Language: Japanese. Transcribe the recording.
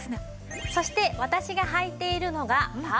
そして私がはいているのがパールグレーです。